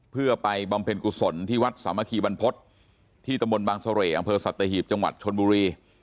เพื่อไปบำเพ็ญกุศลที่วัดสามัคคีบรรพฤษที่ตะมนต์บางเสร่อำเภอสัตหีบจังหวัดชนบุรี